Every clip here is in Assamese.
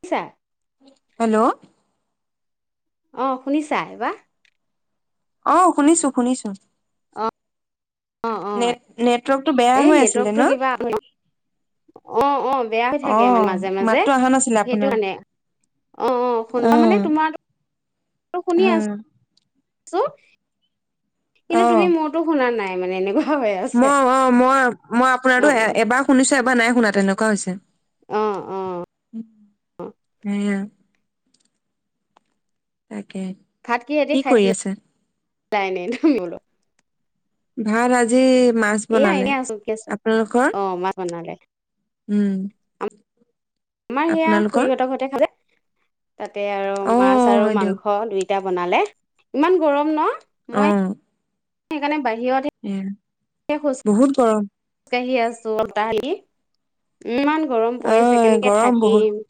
পছা [unintelligible] হেল্ল' অ' শুনিছা এইবাৰ? অ' শুনিছো শুনিছো। অ অ অ নেট নেট এই নেটৱৰ্কটো কিবা অ অ বেয়া হৈ অ থাকে মানে মাজে মাজে মাততো অহা নাছিলে সেইটো আপোনাৰ মানে অ অ শুনো মানে তোমাৰ শুনি হা আছো। ছ [unintelligible] কিন্তু তুমি মোৰতো শুনা নাই। মানে এনেকা [unintelligible] ম অ মই মই অ আপোনাটো এবাৰ শুনিছো এবাৰ নাই শুনা তেনেকুৱা হৈছে। অ অ উম'। তাক কে। ভাত কিহেদি কি কৰি খাইছিলা আছে? [inaudible] ভাত আজি মাছ এয়া বনালে এনে আছো, ৰখি আছো, আপোনালোকৰ অ', মাছ বনালে। উম'। আমাৰ হেয়া আপোনালোকৰ খুুৰীহঁতৰ ঘৰতে খালে। তাতে আৰু অ মাছ আৰু হয় দিয়ক মাংস দুইটা। এতিয়া বনালে ইমান গৰম ন মই? সেইকাৰণে বাইক উম'। বহুত গৰম। কাঢ়ি আছো তাহি ইমান। গৰম অ পৰিছে কেনেকে গৰম বহুত থাকিম।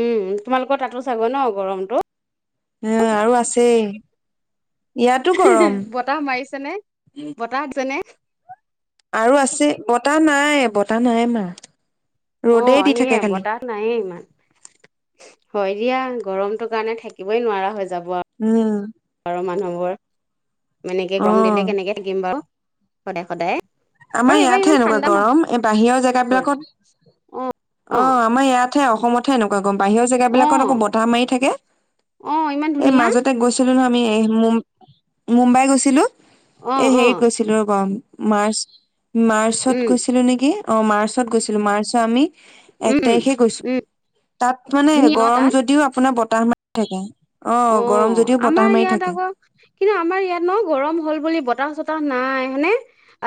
উম তোমালোকৰ তাতো চাগৈ ন গৰমটো। উ আৰু আছেই। ইয়াতো গৰম বতাহ মাৰিছে নে বতাহ আছেনে? আৰু আছে বতাহ নাই বতাহ নাই মাৰা। আহ ৰ'দেই দি থাকে সেয়ে খালি। বতাহ নাহে ইমান। হয় দিয়া গৰমটো কাৰণে থাকিবই নোৱাৰা হৈ হৈছে। উম। আৰু মানুহবোৰ এনেকে অ গম দিলে কেনেকে থাকিম বাৰু? সদায় সদায়। আমাৰ আৰু এইবাৰ ইয়াতহে ইমান এনেকুৱা ঠাণ্ডা গৰম এই বাহিৰৰ নপৰিল জেগাবলাকত অ অ আমাৰ ইয়াত অসমতহে এনেকুৱা গৰ ম বাহিৰৰ জেগা বিলাকত আকৌ অ বতাহ মাৰি থাকে। অ ইমান এই ধুনীয়া মাজতে গৈছিলো নহ আমি মুম মুম্বাই গৈছিলো। অ এ অ হেৰিত গৈছিলো ৰ'ব মাৰ্চ [inaudible] মাৰ্চত উম কৈছিলো নেকি? অ মাৰ্চত গৈছিলো মাৰ্চ আমি এক উম তাৰিখে গৈছো উম তাত মানে ধুনীয়া ন গৰম তাত যদিও আপোনাৰ ব তাহ মাৰি থাকে। অ গৰম যদিও বতাহ আমাৰ মাৰি ইয়াত থাকে আকৌ কিন্তু আমাৰ ইয়াত ন গৰম হ'ল বুলি বতাহ চতাহ নাই হয়নে?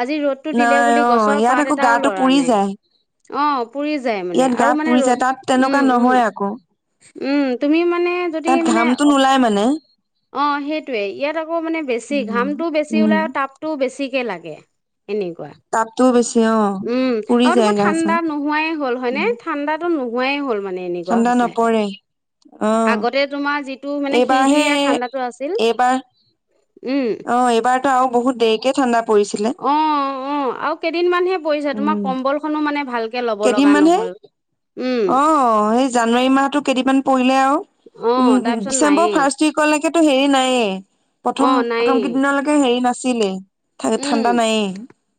আজি ৰ'দটো দিলে নাই বুলি অ গছৰ ইয়াত পাত আকৌ এটাও গাটো লৰা পুৰি নাই। যায় অ' পুৰি যায় মানে ইয়াত গা আৰু মানে পুৰি যায় তাত তেনেকুৱা ৰ'দ নহয় আকৌ উম তুমি মানে যদি তাত মানে ঘামটো নোলাই [inaudible] অ সেইটোৱে ইয়াত আকৌ মানে বেছি ঘামটো বেছি উম ওলাই আৰু তাপতটোও বেছি। কি লাগে? এনেকুৱা তাপটোও বেছি অ উম পুৰি আৰু যায় তোমাৰ গা চা ঠাণ্ডা নোহোৱাই হ'ল হয়নে ঠাণ্ডাতো নোহোৱাই হ'ল। মানে এনেকুৱা ঠাণ্ডা হৈছে নপৰে অ আগতে তোমাৰ যিটো মানে এইবাৰহে শিৰশিৰয়া ঠাণ্ডাটো আছিল। এইবাৰ উম অ এইবাৰতো আৰু বহুত দেৰিকে ঠাণ্ডা পৰিছিলে অ অ আৰু কেইদিন মানহে পৰিছে তোমাৰ কম্বল খনো মানে ভালকে ল'ব লগা কেইদিনমান হে নহল উম অ' সেই জানুৱাৰী মাহতো কেইদিনমান পৰিলে আৰু অ উম তাৰপিছত ডিচেম্বৰ নায়েই ফাৰ্ষ্ট উইকলৈকে টো হেৰি নাইয়ে অ প্ৰথম প্ৰথম নায়েই কেইদিনলৈকে হেৰি নাছিল। আছিলে। উম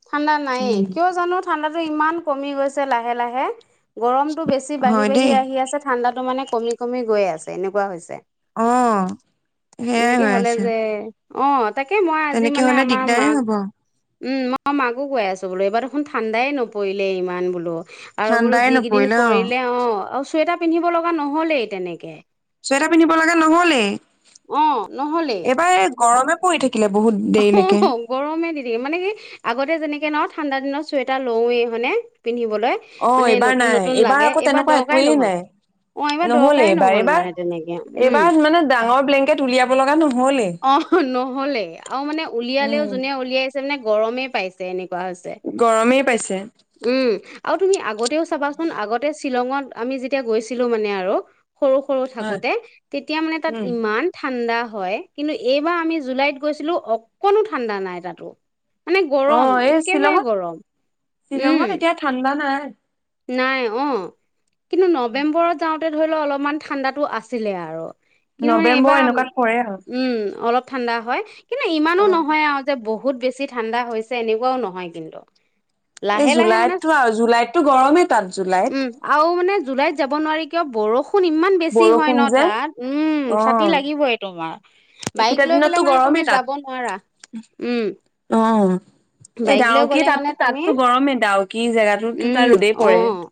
ঠাণ্ডা নাইে উম কিয় জানো ঠাণ্ডাতো ইমান কমি গৈছে লাহ লাহে লাহে। গৰমটো বেছি বাঢ়ি, হয় বাঢ়ি দেই আহি আছে ঠাণ্ডাত মানে কমি, কমি গৈ আছে এনেকুৱা হৈছে। অ', সেইয়াই এনেকে হৈ হলে আছে। যে অ। তাকে মই আজি তেনেকে মানে হ'লে আমাৰ দিগদাৰেই মাক হ'ব। উম, মই মাকো গৈ আছো বোলো এইবাৰ দেখোন ঠাণ্ডাই নপৰিলে ইমান বোলো। আৰু বোলো ঠাণ্ডাই যিকেইদিন নপৰিলে অ পৰিলে অ', আও চুৱেটাৰ পিন্ধিব লগা নহ'লেই তেনেকে। চুৱেটাৰ পিন্ধিব লগা নহ'লেই। অ নহলেই এইবাৰ এই গৰমে [inaudible] কিলে বহুত দেৰিলেকে। অ গৰমে দি মানে কি, আগতে যেনেকে ন ঠাণ্ডা দিনত চুৱেটাৰ লওঁয়ে হয় নে? পিন্ধিবলৈ অ মানে এইবাৰ নতুন, নাই নতুন লাগে, আকৌ এইবাৰ তেনেকুৱা দৰকাৰেই একোৱেই ন'হল। নাই অ, এইবাৰ নহলে দৰকাৰেই এইবাৰ ন'হল এইবাৰ মানে তেনেকে, উম। কেত উলিয়াব লগা নহ অ', ন'হলেই আও মানে উলিয়ালেও উম জোনে উলিয়াই [unintelligible] গৰমেই পাইছে এনে গৰমেই পাইছেঁ। উম আৰু তুমি আগতেও চাবাচোন, আগতে শ্বিলঙত আমি যেতিয়া গৈছিলো মানে আৰু সৰু সৰু হয় থাকোতে, তেতিয়া মানে তাত উম ইমান ঠাণ্ডা হয় কিন্তু এইবাৰ আমি জুলাইত গৈছিলো অকণো ঠাণ্ডা নাই তাতো। মানে গৰম অ', এই একেবাৰে শ্বিলঙত, গৰম উম শ্বিলঙত এতিয়া ঠাণ্ডা নাই। [inaudible] নাই, অ। কিন্তু নৱেম্বৰত যাওঁ তে ধৰি ল অলপমান ঠাণ্ডাটো আছিলে আৰু কিন্তু মানে নৱেম্বৰ এইবাৰ এনেকুৱাত পৰে আৰু উম, অলপ ঠাণ্ডা হয় কিন্তু ইমানো অ নহয় আৰু যে বহ বহুত বেছি ঠাণ্ডা হৈছে এনেকুৱাও নহয় কিন্তু। এই লাহে লাহে মানে জুলাইতটো আৰু জুলাইতটো উম, আৰু মানে জুলাইত যাব নোৱাৰি কিয় বৰষ ষুণ ইমান বেছি হয় বৰষুণ ন যে তাত? উম, অ ছাতি লাগিবই তোমাৰ। বাইক এইকেইটা লৈ পেলাই দিনততো মানে তুমি গৰমেই তাত যাব নোৱাৰা। উম, অ এই বাইক লৈ ডাউকি গলে মানে তাতো তুমি, তাততো গৰমেই ডাউকি জেগাটোতো উম। তাত ৰ'দেই পৰে অ',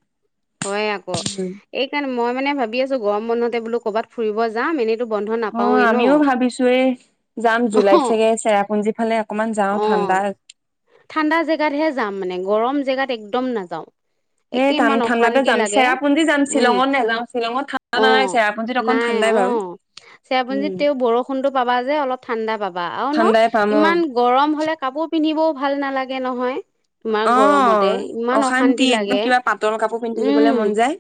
হয় আকৌ, উম এইকাৰণে মই মানে ভাবি আছোঁ, গৰম বন্ধতে বোলো ক'বাত ফুৰিব যাম, এনে অ', আমিও ভাবিছোঁ এ, যাম অ জুলাইত চাগে চেৰাপুঞ্জী ফালে অকমান যাওঁ অ ঠাণ্ডা ঠাণ্ডা জেগাতহে যাম মানে, গৰম জেগাত একদম নাযাওঁ। সেই একে টান ইমান ঠাণ্ডাতে অশান্তি যাম লাগে। চেৰাপুঞ্জী যাম উম, শ্বিলঙত নাযাওঁ শ্বিলঙত ঠাণ্ডা নাই অ', চেৰাপুঞ্জীত অকণ নাই ঠাণ্ডাই বাৰু অ', চেৰাপুঞ্জিত উম তেওঁ বৰষুণটো পাবা যে অলপ ঠাণ্ডা পাবা। আৰু ন ঠাণ্ডাই পাম অ ইমান গৰম হলে কাপোৰ পিন্ধিবও ভাল নালাগে নহয় তোমাৰ অ গৰমতে, ইমান অশান্তি একদম লাগে, কিবা পাতল কাপোৰ পিন্ধি থাকিবলৈ উম, মন যায়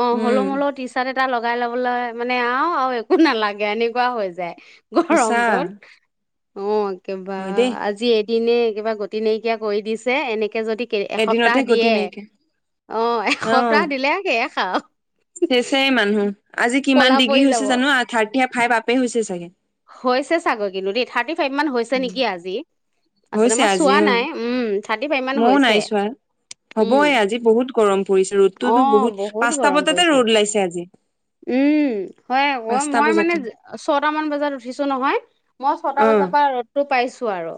অ' হলৌ উম মলৌ টি চাৰ্ট এটা লগাই লবলৈ মানে আও আ একো নালাগে, এনেকুৱা হৈ যায়। গৰম সঁচা টোত। অ'। কিবা হয় দেই আজি দিনে কিবা গতি নাইকিয়া কৰি দিছে, এনেক কে যদি এসপ্তাহ এদিনতে গতি দিয়ে, নাইকিয়া অ', এসপ্তাহ দিলে শেষ। খাওঁ। শেষেই মানুহ, আজি কিমান ক'লা ডিগ্ৰী পৰি হৈছে যাব। জানো, আ থাৰ্টিয়ে ফাইভ আপে হৈছে চাগে। ফাইব মান হৈছে উম, নেকি আজি? আচলতে হৈছে মই আজি চোৱা অ নাই, উম, থাৰ্টি ফাইভ মান ময়ও নাই হৈছে, চোৱা উম, হ'বই আজি বহুত গৰম পৰিছে ৰ'দটোতো অ', বহুত পাঁচটা গৰম বজাতে ৰ'দ পৰিছে, ওলাইছে আজি উম হয় আকৌ, পাঁচটা মই মানে বজাতে ছটা মান বজাত উঠিছোঁ নহয়, মই ছটা অ বাজাৰ পৰা ৰ'দটো পাইছো আৰু।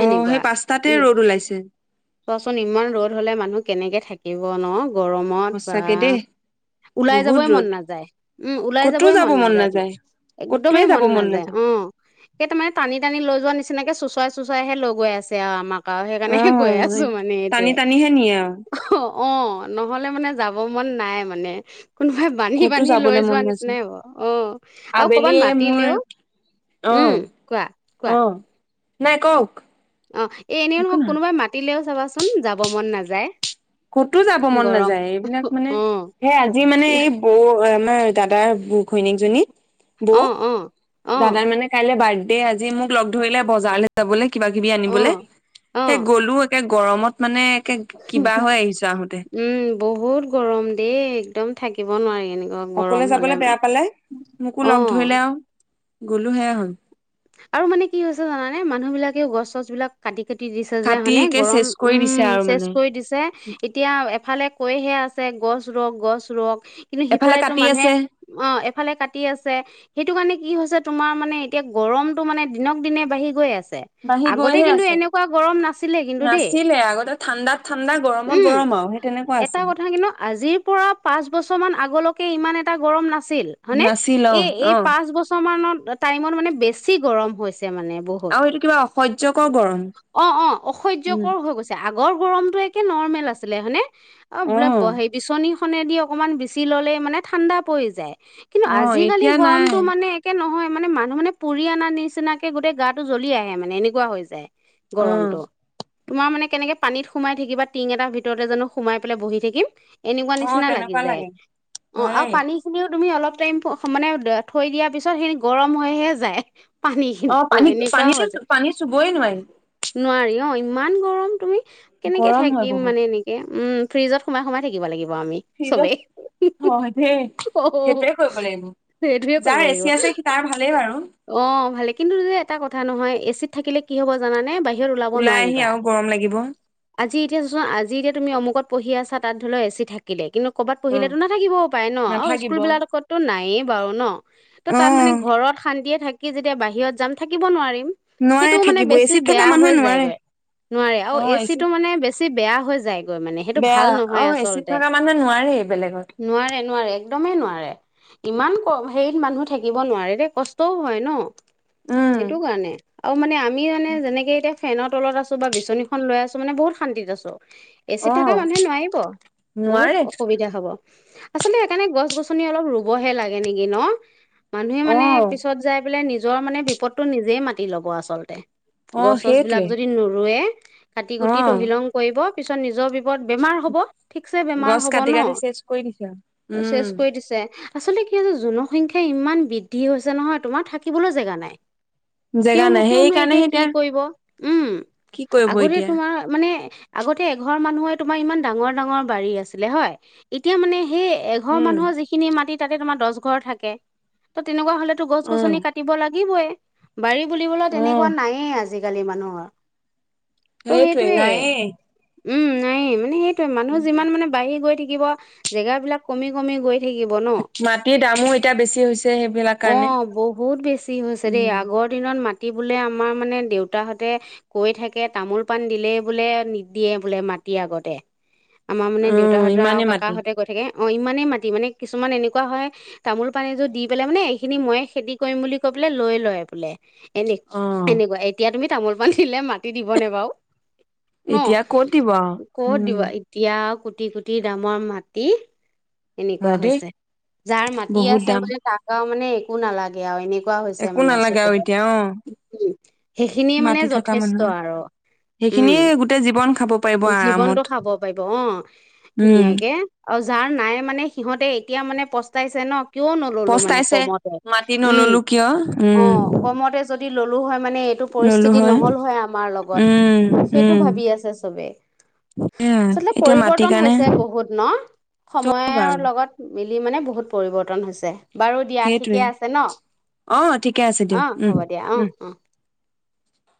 অ সেই পাঁচটাতে উম, ৰ'দ ওলাইছে চোৱাচোন ইমান ৰ'দ হ'লে মানুহ কেনেকে থাক কিব ন? গৰমত সঁচাকে দেই বাহ, ওলাই বহুত যাবই মন ৰ'দ নাযায়, উম ওলাই যাবই মন নাযায়, একদমেই মন নাযায়, অ', এইটো মানে টানি টানি লৈ যোৱা নিচ তেনেকে চুচৱাই চোচৱাইহে লৈ গৈ আছে আৰু আমাক। আৰু অ সেইকাৰণেহে গৈ আছোঁ মানে টানি এইটোৱে। টানিহে নিয়ে আৰু অ', নহ'লে মানে যাব মন নাই মানে। কোনোবাই বান্ধি ক'তো বান্ধি লৈ যাবলৈ মন যোৱা নাযায় নিচিনাই হ'ব। অ', আৰু কবাত আবেলিয়ে মোৰ মাতিলেও অহ উম, কোৱা কোৱা। অহ নাই কওঁক? অ', এই এনেও নহক কোনোবাই মাতিলেও চাবাচো চোন যাব মন নাযায়। ক'তো যাব মন গৰম নাযায় এইবিলাক মানে, অ সেই আজি মানে এই বৌ দাদাৰ ঘৈনিকজনী। অ অ অ দাদাৰ মানে কাইলৈ বাৰ্থডে দেই আজি মোক লগ ধৰিলে বজাৰলৈ যাবলৈ। কিবা কিবি অ আনিবলে, অ সেই গ'লো একে গৰমত মানে একে কিবা হৈ আহিছো আহোতে উম বহুত গৰম দেই একদম থাকিব নোৱাৰিনে অকলে যাবলৈ বেয়া পালে, মোকো অ লগ ধৰিলে আৰু। গ'লো সেয়া হ'ল আৰু মানে কি হৈছে জানানে, মানুহ বিলাক গছ চছ বিলাক কাটি খেতি দিছে যে কাটি হয়নে, একে গৰম, চেচ কৰি দিছে উম আৰু চেচ মানে কৰি দিছে, এতিয়া এফালে কৈহে আছে গছ ৰুওক গছ ৰুওক। কিন্তু এফালে সিফালেটো কাটি মানুহে আছে অ এফালে কাটি আছে, সেই সেইটো কি হৈছে তোমাৰ মানে এতিয়া গৰমটো মানে দিনক দিনে বাঢ়ি গৈ আছে। বাঢ়ি আগতে গৈহে কিন্তু আছে এনেকুৱা গৰম নাছিলে কিন্তু দেই, নাছিলে আগতে ঠাণ্ডাত ঠাণ্ডা গৰমত উম, গৰম আৰু সেই তেনেকুৱা এটা আছিল। কথা কিন্তু আজিৰ পৰা পাঁচ বছৰ মান আগলৈ একে ইমান এটা গৰম না ছিল, হয়নে, নাছিল অ এই এই অ পাঁচ বছৰ মানত টাইমত মানে বেছি গৰম হৈছে। মানে বহুত, আৰু এইটো কিবা অসহ্যকৰ গৰম অ' অ', অসহ্যকৰ হৈ গৈছে আগ আগৰ গৰমটো একে নৰ্মেল আছিলে হয়নে? অ' বোলে ব উম সে বিচনী খনেদি অকণমান বিচি ল'লেই মানে ঠাণ্ডা পৰি যায়। কিন্তু অ অ আজিকালি এতিয়া নাই গৰমতটো মানে একে নহয় মানে মানুহ মানে পুৰি আনা নিচিনাকে গোটেই গাটো জ্বলি আহে মানে এনেকুৱা হৈ যায়। অ গৰমটো। তোমাৰ মানে কেনেকে পানীত সোমাই থাকিবা টিং এটা ভিতৰতে জানো সোমাই পেলাই বহি থাকিম এনেকুৱা অ নিচিনা লাগি তেনেকুৱা যায়, লাগে অ' হয়ে আৰু পানীখিনিও তুমি অলপ টম মানে থৈ দিয়াৰ পিছত সেই গৰম হৈহে যায়। অ' পানী এনেকুৱা হৈ পানীতো যায় পানী চুবই নোৱাৰি। নোৱাৰি, অঁ ইমান গৰম, তুমি কেনেকে গৰম হয় থাকিম বহুত মানে এনেকে! উম, ফ্ৰিজত সোমাই সোমাই থাকিব লাগিব আমি ফ্ৰিজত চবেই। হয় দেই অ', সেইটোৱে কৰিব লাগিব সেইটোয়ে যাৰ কৰিব এচি লাগিব। আছে সি তাৰ ভালেই বাৰু অ', ভালে কিন্তু তাতে এটা কথা নহয় এ চিত থাকিলে কি হ'ব জানানে বা ওলাই আহি আৰু গৰম লাগিব। আজি এতিয়া চোৱা আজি এতিয়া তুমি অমুকত পঢ়ি আছা, তাত ধৰিলোঁ এ চি থাকিলে কিন্তু ক'ৰবাত অ পঢ়িলেতো নাথাকিবও পাৰে ন' আৰু নাথাকিব অ স্কুলবিলাতো কতো নায়েই বাৰু ন'। ত' তাত মানে শান্তিয়ে থাকি যেতিয়া বাহিৰত যাম থাকিব নোৱাৰি। সেইটো নোৱাৰে মানে থাকিব বেছি এচিত থকা বেয়া মানুহে হৈ নোৱাৰে যায়গৈ নোৱাৰি আৰু অ এ চিটো এচিত মানে বেছি বেয়া হৈ যায়। গৈ মানে সেইটো বেয়া ভাল অ নহয় এচিড আচলতে। থকা মানুহে নোৱাৰে বেলেগত নোৱাৰে নোৱাৰে একদমেই নোৱাৰে। ইমান কম হেৰিত মানুহ থাকিব নোৱাৰে। তে কষ্টও হয় ন'। উম সেইটো কাৰণে। আৰু মানে আ আমি মানে যেনেকে এতিয়া ফেনৰ তলত আছোঁ বা বিচনীখন লৈ আছোঁ, মানে বহুত শান্তিত আছোঁ। এ চিত অ থাকা মানুহে নোৱাৰিব। বহুত নোৱাৰে অসুবিধা হ'ব। আচলতে সেইকাৰণে গছ গছনি অলপ ৰুবহে লাগে নেকি ন'? মা অ মানে পিছত যাই পেললে নিজ যোৱা মানে বিপদটো নিজেই মাতি ল'ব আচলতে। অ গছ গছবিলাক সেইটোৱে যদি নৰুৱে কাটি অ কুটি তহিলং কৰিব। পিছত নিজৰ বিপদ, বেমাৰ হ'ব। ঠিকছে বেমাৰ গছ হ'ব কাটি ন, কাটি চেচ কৰি দিছে আৰু উম চেচ কৰি দিছে আচলতে কি হয় যা, জনসংখ্যা ইমান বিদ ধি হৈছে নহয়, তোমাৰ থাকিবলৈ জেগা নাই। জেগা নাই তেওঁলোকেওনো এতিয়া সেইকাৰণেহে কি কৰিব, উম, কি কৰিব আগতে এতিয়া তোমাৰ মানে আগতে এঘৰ মানুহৰে তোমাৰ ইমান ডাঙৰ ডাঙৰ বাৰী আছিলে হয়, এতিয়া মানে সেই এঘৰ উম মানুহৰ যিখিনি মাটিত তাতে তোমাৰ দহ ঘৰ থাকে। ত' তেনেকুৱা হ'লে ত' অ গছ-গছনি কাটিব লাগিবই। বাৰী বুলিবলৈ অ তেনেকুৱা নায়েই, আজি আজিকালি মানুহৰ ত' সেইটোৱেই, সেইটোৱে নায়েই। উম, নাই। মানে, সেই মানুহ যিমান মানে বাঢ়ি গৈ থাকি থাকিব, জেগাবিলাক কমি, কমি গৈ থাকিব ন মাটিৰ দামো এতিয়া বেছি হৈছে। সেইবিলাক কাৰণে অ', বহুত বেছি হৈছে দেই, উম আগৰ দিনত মা টি বোলে আমাৰ মানে দেউতাহঁতে কৈ থাকে, তামোল পান দিলেই বোলে, নিদিয়ে বোলে মাটি আগতে। আমাৰ মানে অ দেউতাহঁতৰ আৰু ইমানেই মাটি কাকাহঁতে কৈ থাকে অ, ইমানেই মাটি, মানে কিছুমান এনেকুৱা হয়, তামোল-পান এযোৰ দি পেলায় মানে, এইখিনি ময়ে খেতি কৰিম বুলি কৈ পেলায়, লৈ লয় বোলে। এনে, অ এনেকুৱা। এতিয়া তুমি তামোল-পান দিলে মাটি দিবনে বাউ ন, এতিয়া ক'ত দিব আৰু ক'ত উম দিব? এতিয়া আউ কোটি, কোটি দামৰ মাটি। এনেকুৱা হয় দেই হৈছে। যাৰ মাটি বহুত আছে দাম মানে তাৰ মানে একো নালাগে আৰু এনে কোৱা হৈছে একো মানে নালাগে আৰু [unintelligible] এতিয়া অ উম, সেইখিনিয়ে মানে মাটি থকা যথেষ্ট মানুহৰ আৰু। উম, সেইখিনিয়ে গোটেই জীৱন খাব পাৰিব আৰামত জীৱনটো খাব পাৰিব, অ', উম ধুনীয়াকে। আৰু যাৰ নাই মানে, সিহঁতে এতিয়া মানে পস্তাইছে ন। কিয় ন'ললো মানে? পস্তাইছে কমতে, মাটি উম, নললো কিয় উম অ', কমতে যদ ল'লো হয়। মানে এইটো পৰিস্থিতি ন'হল হয় আমাৰ লগত, উম সেইটো উম ভাবি আছে চবেই। এয়া আচলতে এতিয়া মাটিৰ পৰিৱৰ্তন কাৰণে হৈছে বহুত ন, চব সময়ৰ আৰু লগত মিলি মানে বহুত পৰিৱৰ্তন হৈছে। বাৰু দিয়া ঠিকে সেইটোৱেই। আছে ন অ', ঠিকে আছে অ দিয়ক। উম, হ'ব দিয়া অ উম। অ